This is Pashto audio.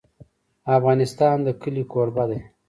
افغانستان د کلي کوربه دی.